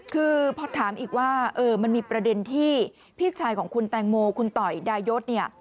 คือพอถามอีกว่ามันมีประเด็นที่พี่ชายของคุณแตงโมคุณต่อยดายศเนี่ย